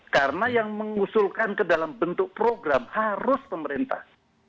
karena yang mengusulkan ke dalam bentuk program harus pemerintah